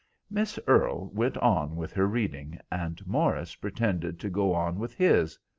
Miss Earle went on with her reading, and Morris pretended to go on with his.